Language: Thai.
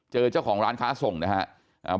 เจอเจ้าของร้านค้าส่งนะครับ